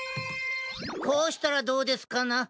こうしたらどうですかな？